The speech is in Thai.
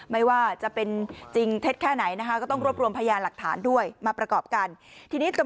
ไม่ว่าจะเป็นจริงเท็จแค่ไหนนะคะก็ต้องรวบรวมพยานหลักฐานด้วยมาประกอบกัน